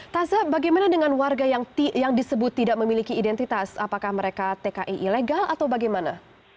taza bagaimana dengan warga yang disebut tidak memiliki identitas apakah mereka tki ilegal atau bagaimana